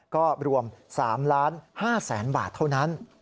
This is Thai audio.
ก็รวม๓๕๐๐๐๐บาทเท่านั้น